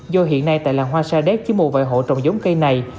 do hiện nay tại làng hoa sa đéc chỉ một vài hộ trồng giống cây này